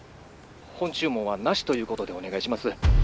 本注文はなしということでお願いします。